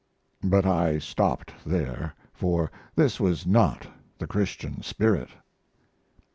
But I stopped there, for this was not the Christian spirit.